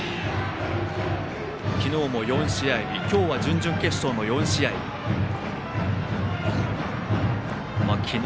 昨日も４試合日今日は準々決勝の４試合日。